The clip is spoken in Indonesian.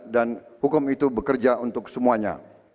dan hukum itu bekerja untuk semuanya